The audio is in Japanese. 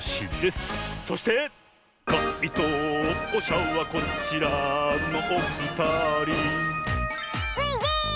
「かいとうしゃはこちらのおふたり」スイです！